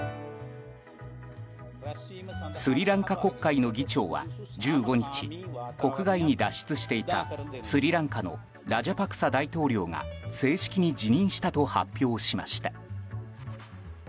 スリランカ国会の議長は１５日国外に脱出していたスリランカのラジャパクサ大統領が正式に辞任したと発表しました。